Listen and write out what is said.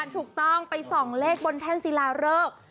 ถูกต้องไปส่องเลขบนแท่นศิลาเริก